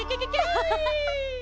ハハハハ！